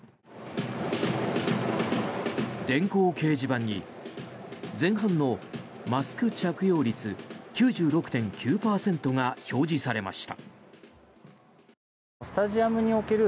電光掲示板に前半のマスク着用率９６．９％が表示されました。